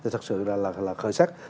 thật sự là khởi sắc